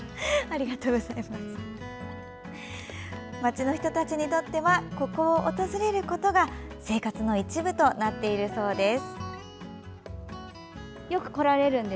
町の人たちにとってはここを訪れることが生活の一部となっているそうです。